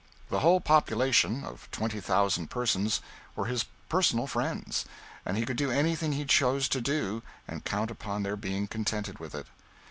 The whole population, of 20,000 persons, were his personal friends, and he could do anything he chose to do and count upon their being contented with it.